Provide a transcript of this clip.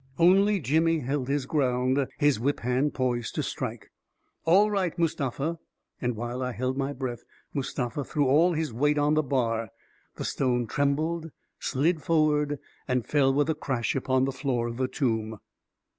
Only Jimmy held his ground, his whip hand poised to strike. <4 All right, Mustafa !" And while I held my breath, Mustafa threw all his weight on the bar;, the stone trembled, slid forward, and fell with a crash upon the floor of the tomb.